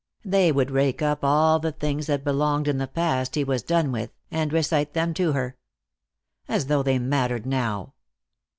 They would rake up all the things that belonged in the past he was done with, and recite them to her. As though they mattered now!